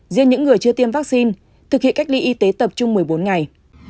riêng những người chưa tiêm vaccine thực hiện cách ly y tế tập trung một mươi bốn ngày